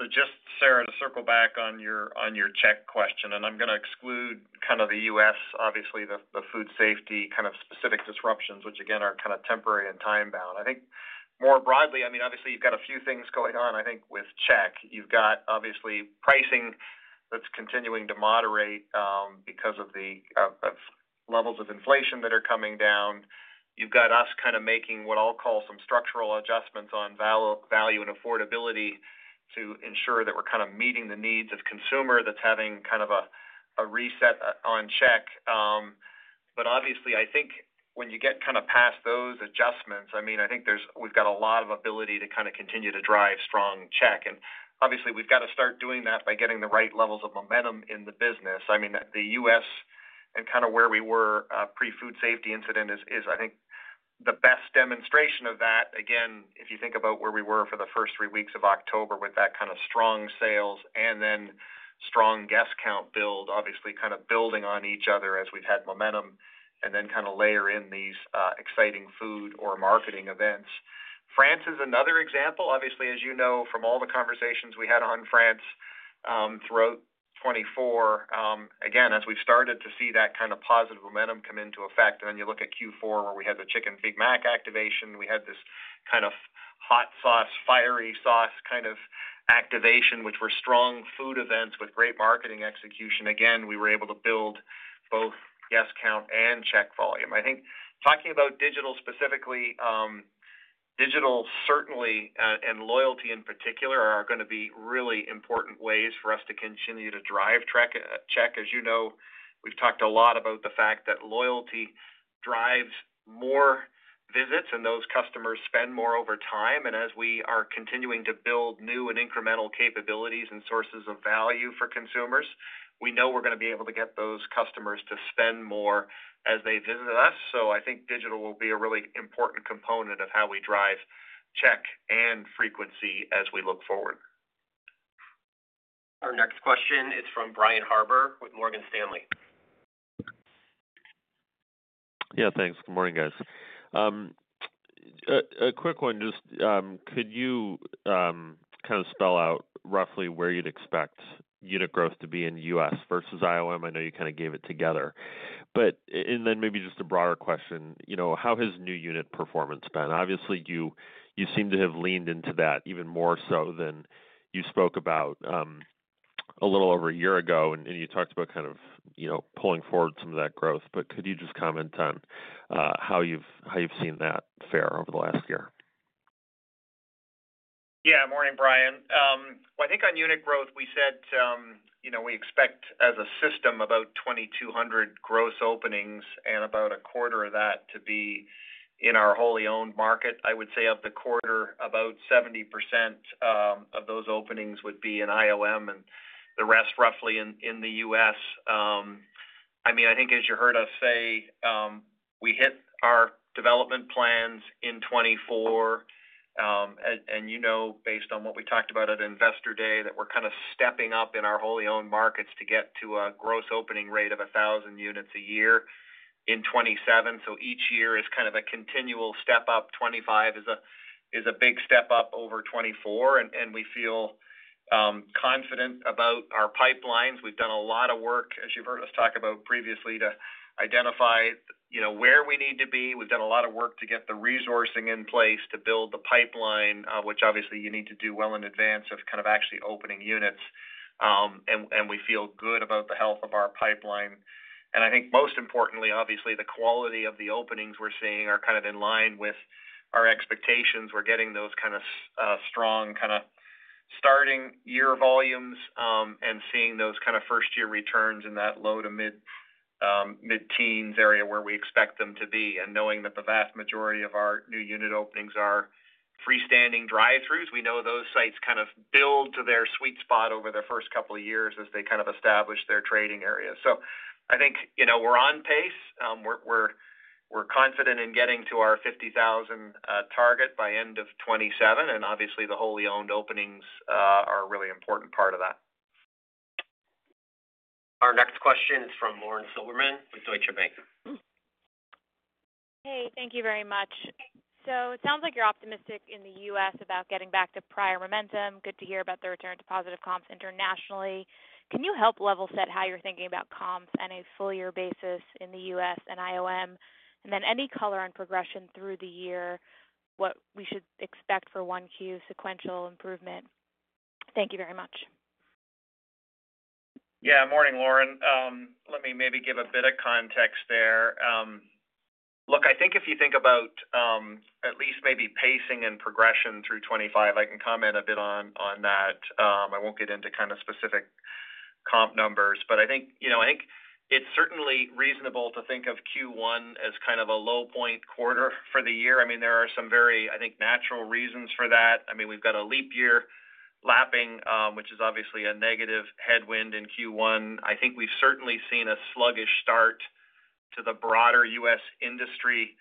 So, just Sara, to circle back on your check question, and I'm going to exclude kind of the U.S., obviously, the food safety kind of specific disruptions, which, again, are kind of temporary and time-bound. I think more broadly, I mean, obviously, you've got a few things going on, I think, with check. You've got, obviously, pricing that's continuing to moderate because of the levels of inflation that are coming down. You've got us kind of making what I'll call some structural adjustments on value and affordability to ensure that we're kind of meeting the needs of consumer that's having kind of a reset on check. But obviously, I think when you get kind of past those adjustments, I mean, I think we've got a lot of ability to kind of continue to drive strong check. Obviously, we've got to start doing that by getting the right levels of momentum in the business. I mean, the U.S. and kind of where we were pre-food safety incident is, I think, the best demonstration of that. Again, if you think about where we were for the first three weeks of October with that kind of strong sales and then strong guest count build, obviously, kind of building on each other as we've had momentum and then kind of layer in these exciting food or marketing events. France is another example. Obviously, as you know from all the conversations we had on France throughout 2024, again, as we've started to see that kind of positive momentum come into effect. And then you look at Q4, where we had the Chicken Big Mac activation. We had this kind of hot sauce, fiery sauce kind of activation, which were strong food events with great marketing execution. Again, we were able to build both guest count and check volume. I think talking about digital specifically, digital certainly, and loyalty in particular, are going to be really important ways for us to continue to drive check. As you know, we've talked a lot about the fact that loyalty drives more visits, and those customers spend more over time. And as we are continuing to build new and incremental capabilities and sources of value for consumers, we know we're going to be able to get those customers to spend more as they visit us. So I think digital will be a really important component of how we drive check and frequency as we look forward. Our next question is from Brian Harbour with Morgan Stanley. Yeah. Thanks. Good morning, guys. A quick one. Just could you kind of spell out roughly where you'd expect unit growth to be in the U.S. versus IOM? I know you kind of gave it together. And then maybe just a broader question. How has new unit performance been? Obviously, you seem to have leaned into that even more so than you spoke about a little over a year ago, and you talked about kind of pulling forward some of that growth. But could you just comment on how you've seen that fare over the last year? Yeah. Morning, Brian. Well, I think on unit growth, we said we expect as a system about 2,200 gross openings and about a quarter of that to be in our wholly owned market. I would say of the quarter, about 70% of those openings would be in IOM and the rest roughly in the U.S. I mean, I think as you heard us say, we hit our development plans in 2024. And you know, based on what we talked about at Investor Day, that we're kind of stepping up in our wholly owned markets to get to a gross opening rate of 1,000 units a year in 2027. So each year is kind of a continual step up. 2025 is a big step up over 2024. And we feel confident about our pipelines. We've done a lot of work, as you've heard us talk about previously, to identify where we need to be. We've done a lot of work to get the resourcing in place to build the pipeline, which obviously you need to do well in advance of kind of actually opening units. And we feel good about the health of our pipeline. And I think most importantly, obviously, the quality of the openings we're seeing are kind of in line with our expectations. We're getting those kind of strong kind of starting year volumes and seeing those kind of first-year returns in that low to mid-teens area where we expect them to be. And knowing that the vast majority of our new unit openings are freestanding drive-throughs, we know those sites kind of build to their sweet spot over their first couple of years as they kind of establish their trading area. So I think we're on pace. We're confident in getting to our 50,000 target by end of 2027. And obviously, the wholly owned openings are a really important part of that. Our next question is from Lauren Silberman with Deutsche Bank. Hey, thank you very much. So it sounds like you're optimistic in the U.S. about getting back to prior momentum. Good to hear about the return to positive comps internationally. Can you help level set how you're thinking about comps on a full-year basis in the U.S. and IOM? And then any color on progression through the year, what we should expect for Q1 sequential improvement? Thank you very much. Yeah. Morning, Lauren. Let me maybe give a bit of context there. Look, I think if you think about at least maybe pacing and progression through 2025, I can comment a bit on that. I won't get into kind of specific comp numbers. But I think it's certainly reasonable to think of Q1 as kind of a low-point quarter for the year. I mean, there are some very, I think, natural reasons for that. I mean, we've got a leap year lapping, which is obviously a negative headwind in Q1. I think we've certainly seen a sluggish start to the broader U.S. industry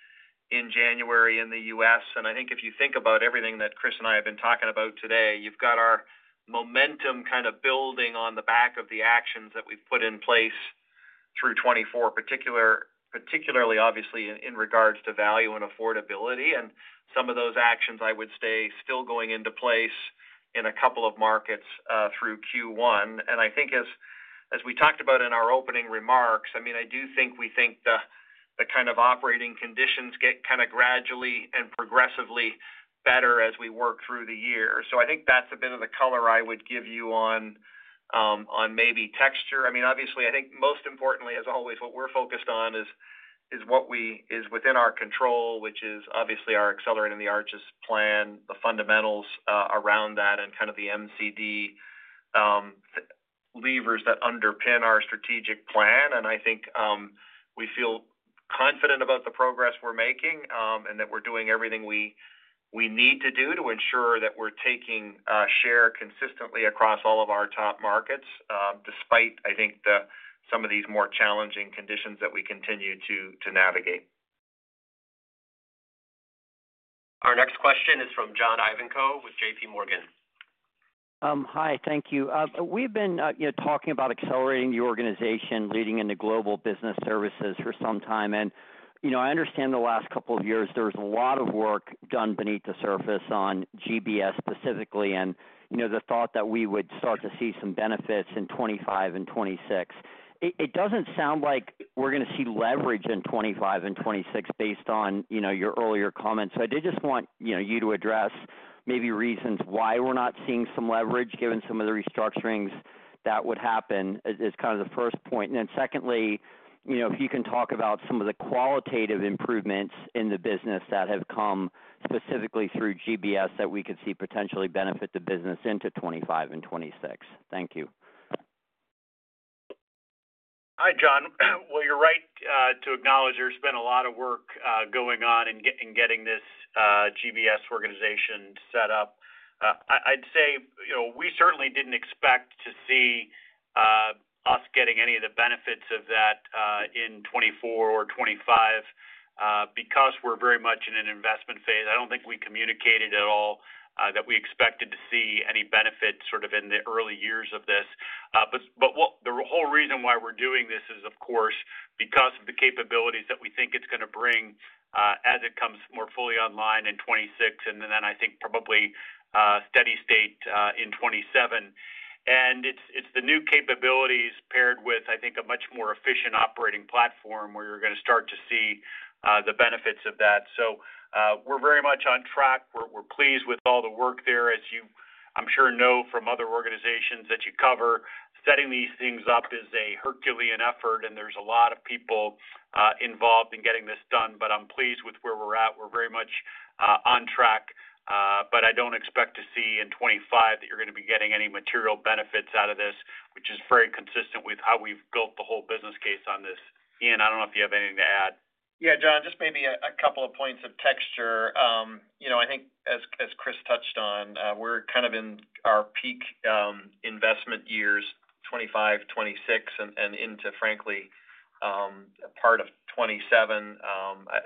in January in the U.S. I think if you think about everything that Chris and I have been talking about today, you've got our momentum kind of building on the back of the actions that we've put in place through 2024, particularly obviously in regards to value and affordability. Some of those actions, I would say, still going into place in a couple of markets through Q1. I think as we talked about in our opening remarks, I mean, I do think we think the kind of operating conditions get kind of gradually and progressively better as we work through the year. I think that's a bit of the color I would give you on maybe texture. I mean, obviously, I think most importantly, as always, what we're focused on is what is within our control, which is obviously our Accelerating the Arches plan, the fundamentals around that, and kind of the MCD levers that underpin our strategic plan. And I think we feel confident about the progress we're making and that we're doing everything we need to do to ensure that we're taking share consistently across all of our top markets, despite, I think, some of these more challenging conditions that we continue to navigate. Our next question is from John Ivankoe with JPMorgan. Hi. Thank you. We've been talking about accelerating the organization leading in the global business services for some time. I understand the last couple of years, there was a lot of work done beneath the surface on GBS specifically and the thought that we would start to see some benefits in 2025 and 2026. It doesn't sound like we're going to see leverage in 2025 and 2026 based on your earlier comments. So I did just want you to address maybe reasons why we're not seeing some leverage given some of the restructurings that would happen is kind of the first point. And then secondly, if you can talk about some of the qualitative improvements in the business that have come specifically through GBS that we could see potentially benefit the business into 2025 and 2026. Thank you. Hi, John. Well, you're right to acknowledge there's been a lot of work going on in getting this GBS organization set up. I'd say we certainly didn't expect to see us getting any of the benefits of that in 2024 or 2025 because we're very much in an investment phase. I don't think we communicated at all that we expected to see any benefits sort of in the early years of this. But the whole reason why we're doing this is, of course, because of the capabilities that we think it's going to bring as it comes more fully online in 2026, and then I think probably steady state in 2027. And it's the new capabilities paired with, I think, a much more efficient operating platform where you're going to start to see the benefits of that. So we're very much on track. We're pleased with all the work there. As you, I'm sure, know from other organizations that you cover, setting these things up is a Herculean effort, and there's a lot of people involved in getting this done. But I'm pleased with where we're at. We're very much on track. But I don't expect to see in 2025 that you're going to be getting any material benefits out of this, which is very consistent with how we've built the whole business case on this. Ian, I don't know if you have anything to add. Yeah, John, just maybe a couple of points of texture. I think as Chris touched on, we're kind of in our peak investment years, 2025, 2026, and into, frankly, part of 2027.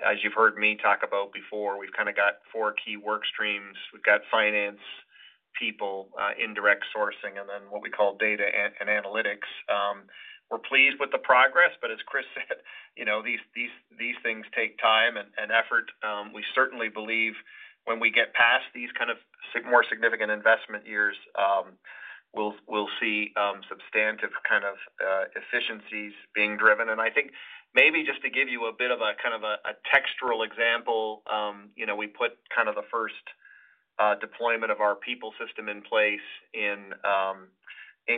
As you've heard me talk about before, we've kind of got four key work streams. We've got finance, people, indirect sourcing, and then what we call data and analytics. We're pleased with the progress. But as Chris said, these things take time and effort. We certainly believe when we get past these kind of more significant investment years, we'll see substantive kind of efficiencies being driven. And I think maybe just to give you a bit of a kind of a textural example, we put kind of the first deployment of our people system in place in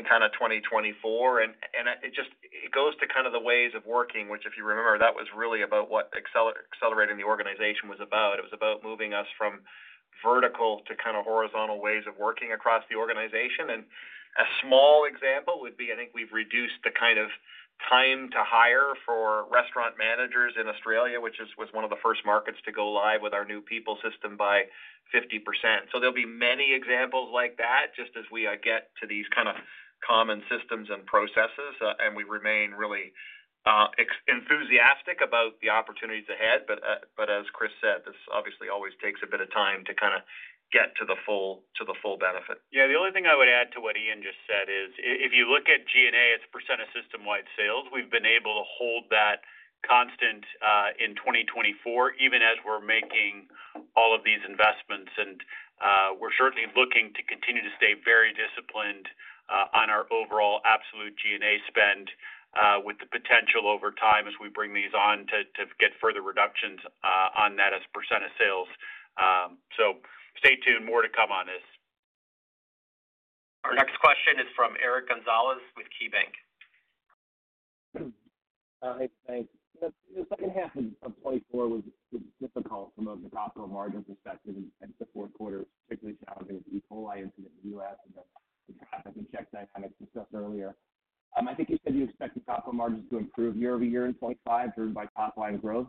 kind of 2024. It goes to kind of the ways of working, which if you remember, that was really about what Accelerating the Organization was about. It was about moving us from vertical to kind of horizontal ways of working across the organization. A small example would be, I think we've reduced the kind of time to hire for restaurant managers in Australia, which was one of the first markets to go live with our new people system by 50%. So there'll be many examples like that just as we get to these kind of common systems and processes, and we remain really enthusiastic about the opportunities ahead. As Chris said, this obviously always takes a bit of time to kind of get to the full benefit. Yeah. The only thing I would add to what Ian just said is if you look at G&A, it's % of system-wide sales. We've been able to hold that constant in 2024, even as we're making all of these investments. And we're certainly looking to continue to stay very disciplined on our overall absolute G&A spend with the potential over time as we bring these on to get further reductions on that as % of sales. So stay tuned. More to come on this. Our next question is from Eric Gonzalez with KeyBanc. Hi. Thanks. The second half of 2024 was difficult from a capital margin perspective and the fourth quarter was particularly challenging with E. coli incident in the U.S. and the traffic and check dynamics discussed earlier. I think you said you expect the capital margins to improve year over year in 2025 driven by top-line growth.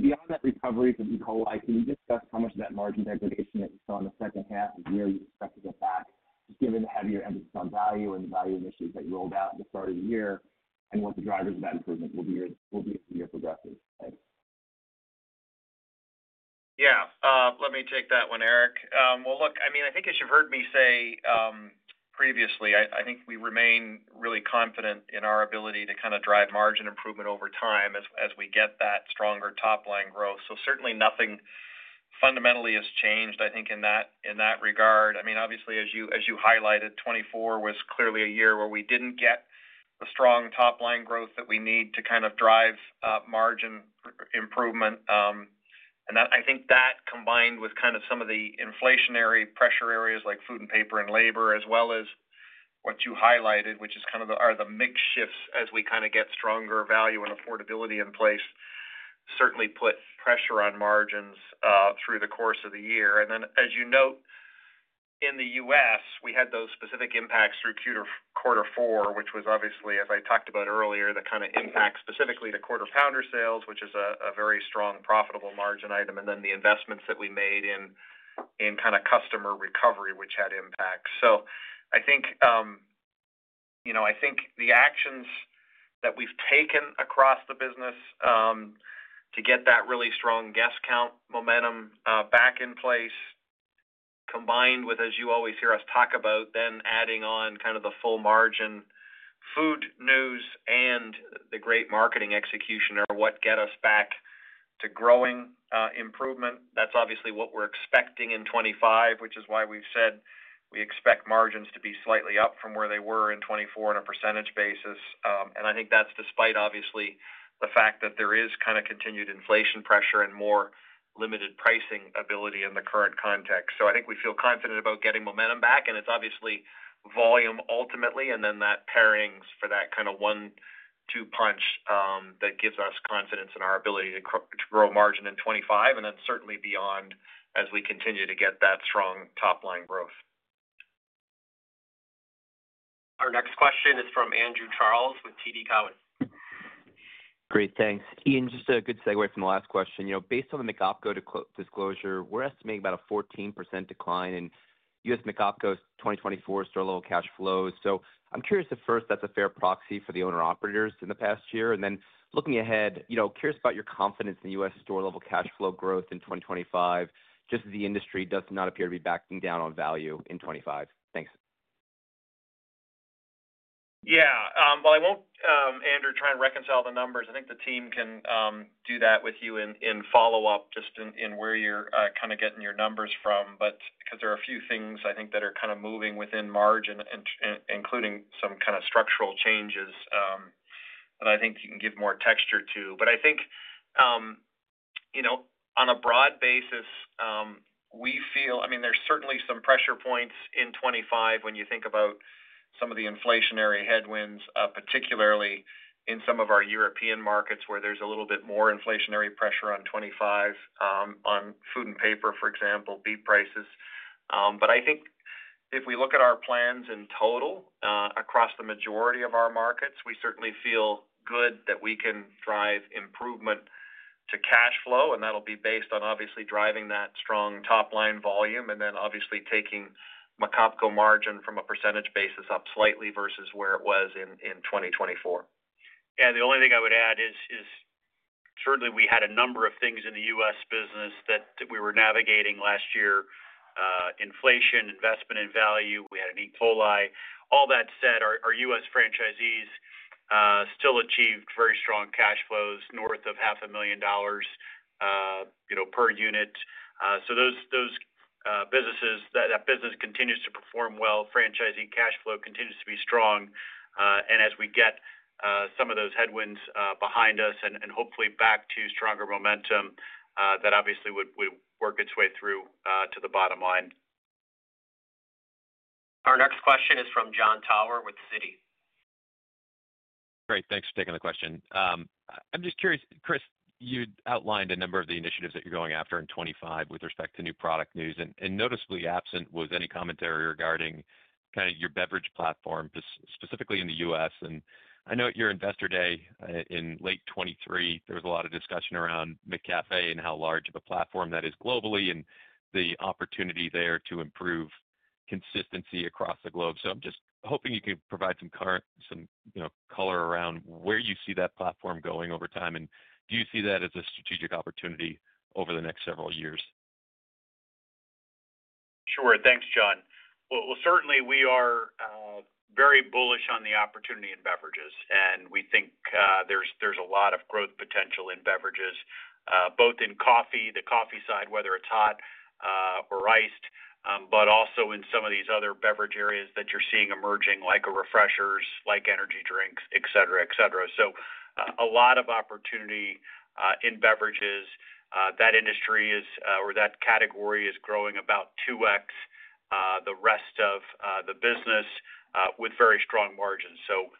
Beyond that recovery from E. coli, can you discuss how much of that margin degradation that you saw in the second half of the year you expect to get back, just given the heavier emphasis on value and the value initiatives that you rolled out at the start of the year and what the drivers of that improvement will be as the year progresses? Thanks. Yeah. Let me take that one, Eric. Well, look, I mean, I think as you've heard me say previously, I think we remain really confident in our ability to kind of drive margin improvement over time as we get that stronger top-line growth. So certainly nothing fundamentally has changed, I think, in that regard. I mean, obviously, as you highlighted, 2024 was clearly a year where we didn't get the strong top-line growth that we need to kind of drive margin improvement. And I think that combined with kind of some of the inflationary pressure areas like food and paper and labor, as well as what you highlighted, which is kind of the mixed shifts as we kind of get stronger value and affordability in place, certainly put pressure on margins through the course of the year. Then, as you note, in the U.S., we had those specific impacts through quarter four, which was obviously, as I talked about earlier, the kind of impact specifically to Quarter Pounder sales, which is a very strong profitable margin item, and then the investments that we made in kind of customer recovery, which had impact. I think the actions that we've taken across the business to get that really strong guest count momentum back in place, combined with, as you always hear us talk about, then adding on kind of the full margin food news and the great marketing execution are what get us back to growing improvement. That's obviously what we're expecting in 2025, which is why we've said we expect margins to be slightly up from where they were in 2024 on a percentage basis. And I think that's despite, obviously, the fact that there is kind of continued inflation pressure and more limited pricing ability in the current context. So I think we feel confident about getting momentum back. And it's obviously volume ultimately, and then that pairings for that kind of one-two punch that gives us confidence in our ability to grow margin in 2025, and then certainly beyond as we continue to get that strong top-line growth. Our next question is from Andrew Charles with TD Cowen. Great. Thanks. Ian, just a good segue from the last question. Based on the McOpCo disclosure, we're estimating about a 14% decline in U.S. McOpCo's 2024 store-level cash flows. So I'm curious if first that's a fair proxy for the owner-operators in the past year. And then looking ahead, curious about your confidence in U.S. store-level cash flow growth in 2025, just as the industry does not appear to be backing down on value in 2025. Thanks. Yeah. Well, I won't, Andrew, try and reconcile the numbers. I think the team can do that with you in follow-up just in where you're kind of getting your numbers from. But because there are a few things I think that are kind of moving within margin, including some kind of structural changes that I think you can give more texture to. But I think on a broad basis, we feel I mean, there's certainly some pressure points in 2025 when you think about some of the inflationary headwinds, particularly in some of our European markets where there's a little bit more inflationary pressure on 2025 on food and paper, for example, beef prices. But I think if we look at our plans in total across the majority of our markets, we certainly feel good that we can drive improvement to cash flow. And that'll be based on obviously driving that strong top-line volume and then obviously taking McOpCo margin from a percentage basis up slightly versus where it was in 2024. Yeah. The only thing I would add is certainly we had a number of things in the U.S. business that we were navigating last year: inflation, investment in value. We had an E. coli. All that said, our U.S. franchisees still achieved very strong cash flows north of $500,000 per unit. So that business continues to perform well. Franchisee cash flow continues to be strong. And as we get some of those headwinds behind us and hopefully back to stronger momentum, that obviously would work its way through to the bottom line. Our next question is from Jon Tower with Citi. Great. Thanks for taking the question. I'm just curious, Chris, you outlined a number of the initiatives that you're going after in 2025 with respect to new product news. And noticeably absent was any commentary regarding kind of your beverage platform, specifically in the U.S. And I know at your investor day in late 2023, there was a lot of discussion around McCafé and how large of a platform that is globally and the opportunity there to improve consistency across the globe. So I'm just hoping you can provide some color around where you see that platform going over time. And do you see that as a strategic opportunity over the next several years? Sure. Thanks, Jon. Well, certainly, we are very bullish on the opportunity in beverages. And we think there's a lot of growth potential in beverages, both in coffee, the coffee side, whether it's hot or iced, but also in some of these other beverage areas that you're seeing emerging like refreshers, like energy drinks, etc., etc. So a lot of opportunity in beverages. That industry or that category is growing about 2X the rest of the business with very strong margins. So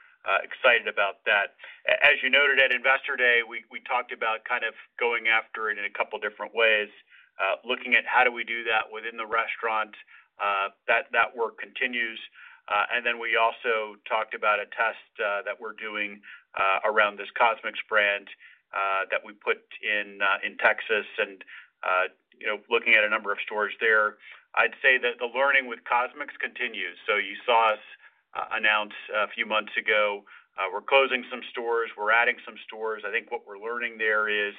excited about that. As you noted at investor day, we talked about kind of going after it in a couple of different ways, looking at how do we do that within the restaurant. That work continues. And then we also talked about a test that we're doing around this CosMc's brand that we put in Texas and looking at a number of stores there. I'd say that the learning with CosMc's continues, so you saw us announce a few months ago, we're closing some stores, we're adding some stores. I think what we're learning there is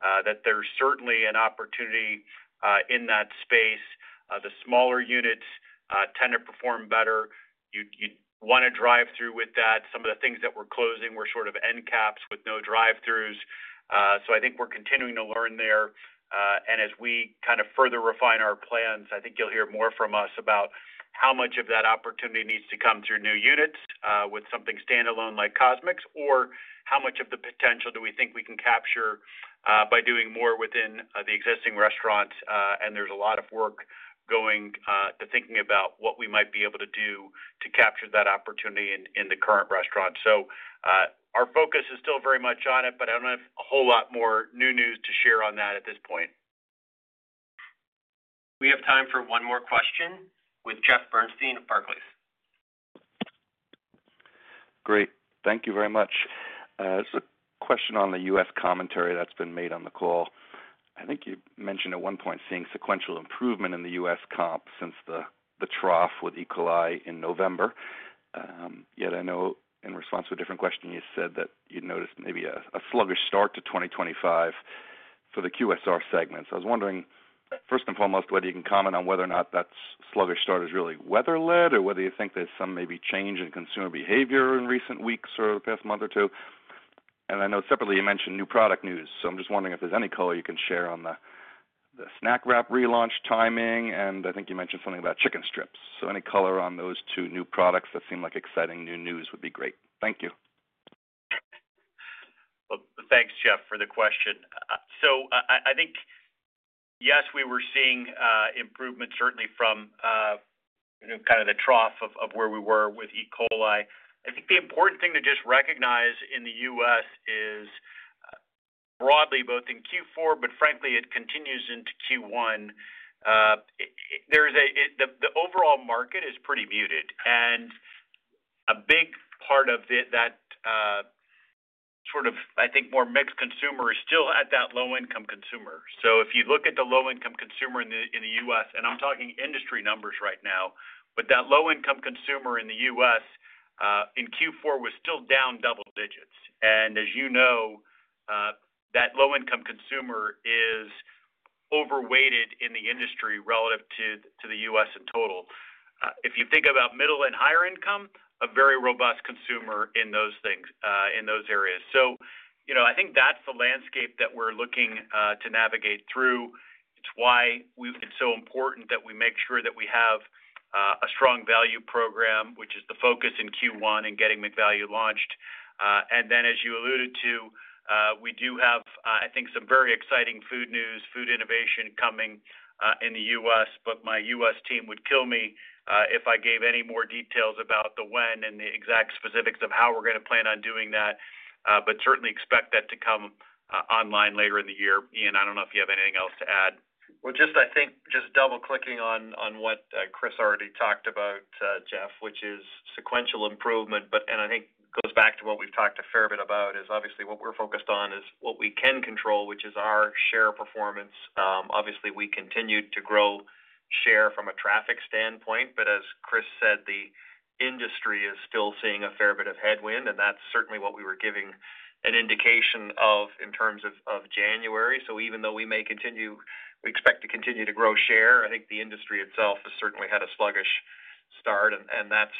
that there's certainly an opportunity in that space. The smaller units tend to perform better. You want to drive through with that. Some of the things that we're closing were sort of end caps with no drive-throughs, so I think we're continuing to learn there, and as we kind of further refine our plans, I think you'll hear more from us about how much of that opportunity needs to come through new units with something standalone like CosMc's, or how much of the potential do we think we can capture by doing more within the existing restaurant. There's a lot of work going to thinking about what we might be able to do to capture that opportunity in the current restaurant. Our focus is still very much on it, but I don't have a whole lot more new news to share on that at this point. We have time for one more question with Jeffrey Bernstein of Barclays. Great. Thank you very much. There's a question on the U.S. commentary that's been made on the call. I think you mentioned at one point seeing sequential improvement in the U.S. comp since the trough with E. coli in November. Yet I know in response to a different question, you said that you noticed maybe a sluggish start to 2025 for the QSR segment. So I was wondering, first and foremost, whether you can comment on whether or not that sluggish start is really weather-led or whether you think there's some maybe change in consumer behavior in recent weeks or the past month or two. And I know separately, you mentioned new product news. So I'm just wondering if there's any color you can share on the Snack Wrap relaunch timing. And I think you mentioned something about chicken strips. So any color on those two new products that seem like exciting new news would be great? Thank you. Thanks, Jeff, for the question. So I think, yes, we were seeing improvement certainly from kind of the trough of where we were with E. coli. I think the important thing to just recognize in the U.S. is broadly, both in Q4, but frankly, it continues into Q1. The overall market is pretty muted. And a big part of that sort of, I think, more mixed consumer is still at that low-income consumer. So if you look at the low-income consumer in the U.S., and I'm talking industry numbers right now, but that low-income consumer in the U.S. in Q4 was still down double digits. And as you know, that low-income consumer is overweighted in the industry relative to the U.S. in total. If you think about middle and higher income, a very robust consumer in those things, in those areas. So I think that's the landscape that we're looking to navigate through. It's why it's so important that we make sure that we have a strong value program, which is the focus in Q1 and getting McValue launched. And then, as you alluded to, we do have, I think, some very exciting food news, food innovation coming in the U.S. But my U.S. team would kill me if I gave any more details about the when and the exact specifics of how we're going to plan on doing that, but certainly expect that to come online later in the year. Ian, I don't know if you have anything else to add. Well, just I think just double-clicking on what Chris already talked about, Jeff, which is sequential improvement. And I think it goes back to what we've talked a fair bit about, which is obviously what we're focused on, which is what we can control, which is our share performance. Obviously, we continue to grow share from a traffic standpoint. But as Chris said, the industry is still seeing a fair bit of headwind. And that's certainly what we were giving an indication of in terms of January. So even though we may continue, we expect to continue to grow share. I think the industry itself has certainly had a sluggish start. And that's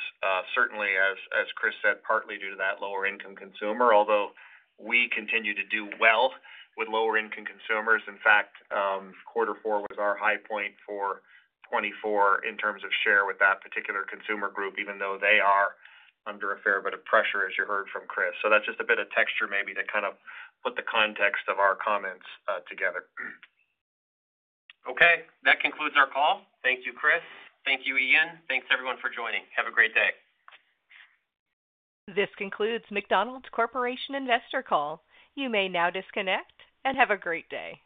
certainly, as Chris said, partly due to that lower-income consumer, although we continue to do well with lower-income consumers. In fact, quarter four was our high point for 2024 in terms of share with that particular consumer group, even though they are under a fair bit of pressure, as you heard from Chris. So that's just a bit of texture maybe to kind of put the context of our comments together. Okay. That concludes our call. Thank you, Chris. Thank you, Ian. Thanks, everyone, for joining. Have a great day. This concludes McDonald's Corporation Investor Call. You may now disconnect and have a great day.